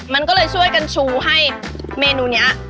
มันก็เลยช่วยกันชูให้เมนูนี้